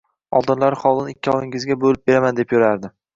Oldinlari hovlini ikkovingizga bo‘lib beraman, deb yurardim